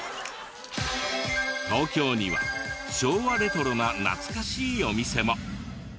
東京には昭和レトロな懐かしいお店も。